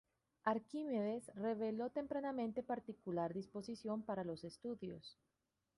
Arquímedes reveló tempranamente particular disposición para los estudios.